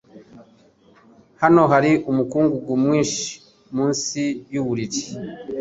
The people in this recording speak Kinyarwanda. Hano hari umukungugu mwinshi munsi yuburiri.